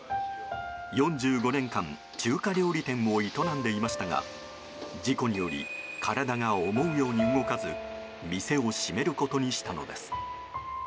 ４５年間中華料理店を営んでいましたが事故により体が思うように動かず店を閉めることにしたのです。